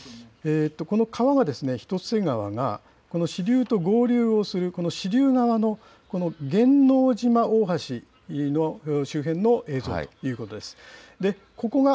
この川が、一ツ瀬川がこの支流と合流をする、この支流側のこのげんのうじま大橋の周辺の映像ということです。